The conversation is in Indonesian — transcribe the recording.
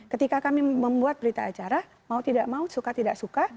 ketika kami membuat berita acara mau tidak mau suka tidak suka